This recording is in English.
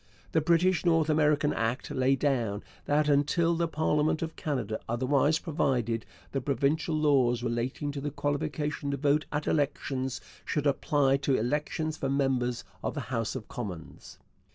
The British North America Act laid down that, until the parliament of Canada otherwise provided, the provincial laws relating to the qualification to vote at elections should apply to elections for members of the House of Commons.